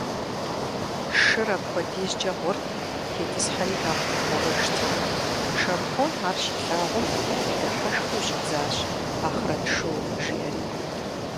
Шыр апхуэдизкӀэ гъурт, тетӀысхьари нэхъ гъурыжти, Шамхьун ар щилъагъум, дыхьэшхыу щӀидзащ, «Ахърэт шу» жиӀэри.